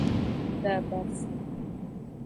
Dabafu.